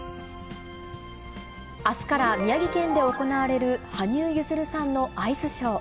あすから宮城県で行われる羽生結弦さんのアイスショー。